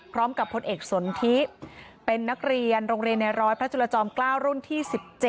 พร้อมกับพลเอกสนทิเป็นนักเรียนโรงเรียนในร้อยพระจุลจอม๙รุ่นที่๑๗